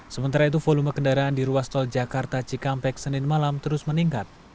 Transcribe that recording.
sementara itu volume kendaraan di ruas tol jakarta cikampek senin malam terus meningkat